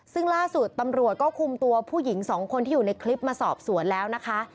ซึ่งล่าสุดตำรวจก็คุมตัวผู้หญิงสองคนที่อยู่ในคลิปมาสอบสวนแล้วนะคะ